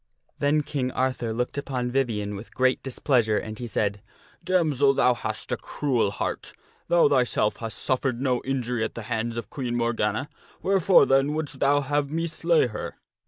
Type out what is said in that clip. Then King Arthur looked upon Vivien with great displeasure, and he said, " Damsel, thou hast a cruel heart ! Thou thyself hast suffered no injury at the hands of Queen Morgana ; wherefore, then, wouldst thou have me slay her?